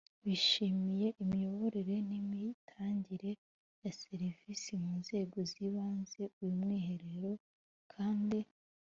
bishimiye imiyoborere n imitangire ya serivisi mu nzego z ibanze uyu mwiherero kandi